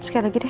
sekali lagi deh